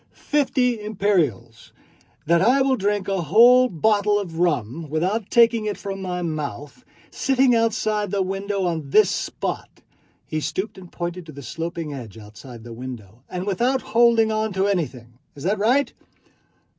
Fifty imperials ... that I will drink a whole bottle of rum without taking it from my mouth, sitting outside the window on this spot" (he stooped and pointed to the sloping ledge outside the window) "and without holding on to anything. Is that right?"